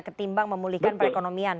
ketimbang memulihkan perekonomian